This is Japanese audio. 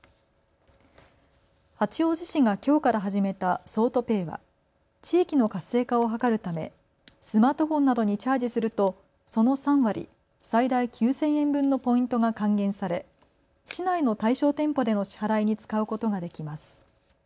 八王子市がきょうから始めた桑都ペイは地域の活性化を図るためスマートフォンなどにチャージするとその３割、最大９０００円分のポイントが還元され市内の対象店舗での支払いに使うことができます。